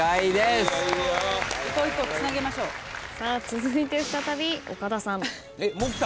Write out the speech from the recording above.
続いて再び岡田さん。